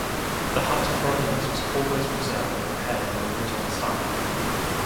The hut of Romulus was always preserved and repaired in the original style.